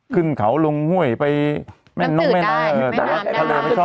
ขึ้นเขาลงห้วยไปแน่นอนแม่น้ำน้ำสึดาทะเลไม่ชอบ